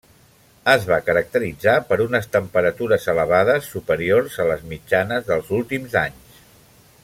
Es va caracteritzar per unes temperatures elevades, superiors a les mitjanes dels últims anys.